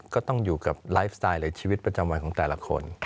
ก็ต้องอยู่กับไลฟ์สไตล์หรือชีวิตประจำวันของแต่ละคน